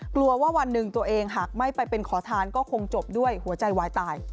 กลัวว่าวันหนึ่งตัวเองหากไม่ไปเป็นขอทานก็คงจบด้วยหัวใจวายตาย